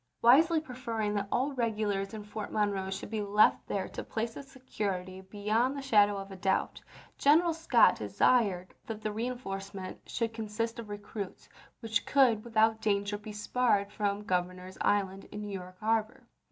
dSTOi. Wisely preferring that all the regulars in Fort Monroe should be left there to place its security be yond the shadow of a doubt, General Scott desired that the reenforcement should consist of recruits which could without danger be spared from Gov ernor's Island in New York harbor.